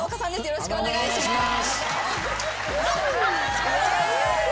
よろしくお願いします。